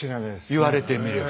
言われてみれば。